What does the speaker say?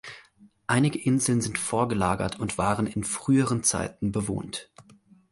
Einige Inseln sind vorgelagert und waren in früheren Zeiten bewohnt.